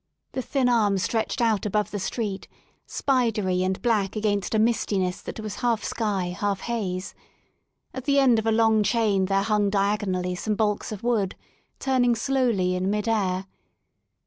The thin arm stretched out above the street, spidery and black against a mistiness that was half sky, half haze; at the end of a long chain there hung diagonally some baulks of wood, turning slowly in mid air.